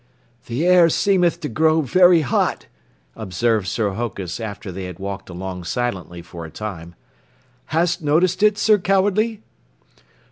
"The air seemeth to grow very hot," observed Sir Hokus after they had walked along silently for a time. "Hast noticed it, Sir Cowardly?"